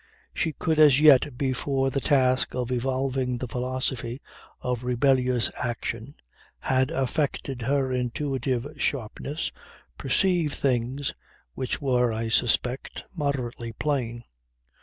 She could as yet, before the task of evolving the philosophy of rebellious action had affected her intuitive sharpness, perceive things which were, I suspect, moderately plain.